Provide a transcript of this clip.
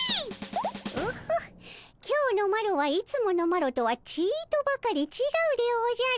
ホッホ今日のマロはいつものマロとはちとばかり違うでおじゃる。